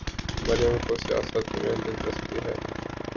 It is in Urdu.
مریم کو سیاست میں دلچسپی ہے۔